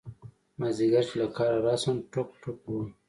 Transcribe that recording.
مازدیگر چې له کاره راشم ټوک ټوک وم.